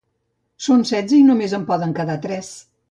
Són setze i només en poden quedar tres.